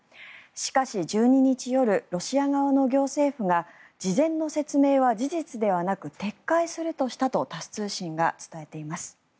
しかし１２日夜ロシア側の行政府が事前の説明は事実ではなく撤回するとしたとタス通信が伝えています。